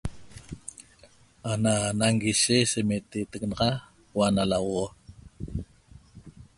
Ana nanguishec semetetac naxa huo'o 'ana lauoxo